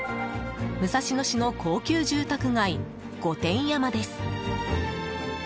武蔵野市の高級住宅街御殿山です。